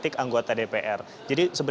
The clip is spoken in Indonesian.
jadi memang harus diperhatikan